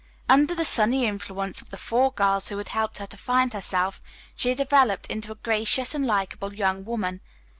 Under the sunny influence of the four girls who had helped her to find herself, she had developed into a gracious and likeable young woman.